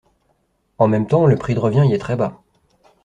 En même temps, le prix de revient y est très-bas.